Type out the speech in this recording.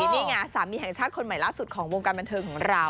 นี่ไงสามีแห่งชาติคนใหม่ล่าสุดของวงการบันเทิงของเรา